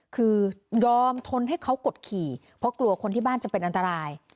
คือยอมทนให้เขากดขี่เพราะกลัวคนที่บ้านจะเป็นอันตราย